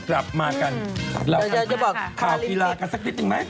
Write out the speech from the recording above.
กลับมากันเดี๋ยวจะบอกพาราลิมปิก